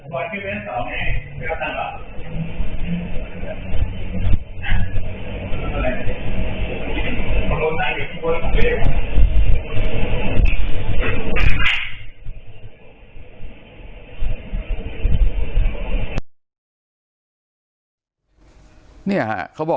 วันที่๑๒นี้